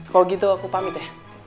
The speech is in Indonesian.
kalau gitu aku pamit ya